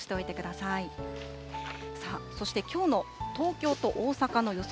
さあ、そしてきょうの東京と大阪の予想